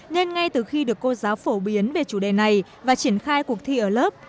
nên ngay từ khi được cô giáo phổ biến về chủ đề này và triển khai cuộc thi ở lớp